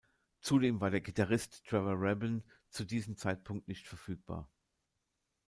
Zudem war der Gitarrist Trevor Rabin zu diesem Zeitpunkt nicht verfügbar.